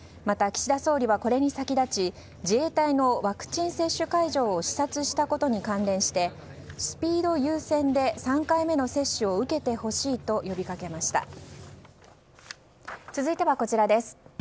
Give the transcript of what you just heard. また、岸田総理はこれに先立ち自衛隊のワクチン接種会場を視察したことに関連してスピード優先で３回目の接種を受けてほしいと呼びかけました。